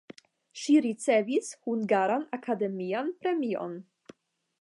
Ŝi ricevis hungaran akademian premion.